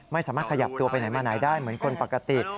ไม่สามารถขยับตัวไปไหนมาไหนได้เหมือนคนปกติ